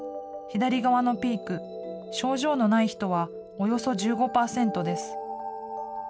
左側のピーク、症状のない人はおよそ１５％です。